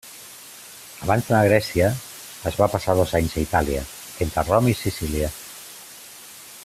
Abans d'anar a Grècia, es va passar dos anys a Itàlia, entre Roma i Sicília.